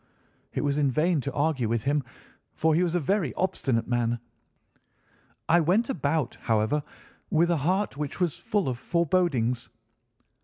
"It was in vain to argue with him, for he was a very obstinate man. I went about, however, with a heart which was full of forebodings.